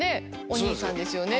お兄さんですよね。